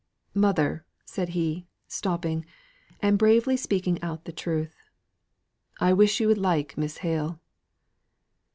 "Mother," said he, stopping, and bravely speaking out the truth, "I wish you would like Miss Hale."